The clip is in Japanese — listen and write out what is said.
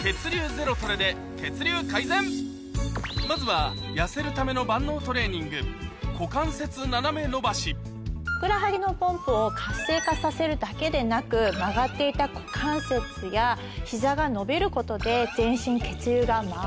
まずは痩せるためのふくらはぎのポンプを活性化させるだけでなく曲がっていた股関節や膝が伸びることで。